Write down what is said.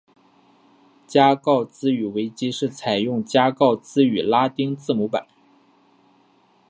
加告兹语维基是采用加告兹语拉丁字母版。